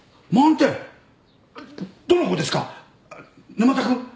沼田君？